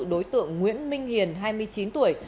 đối tượng nguyễn minh hiền hai mươi chín tuổi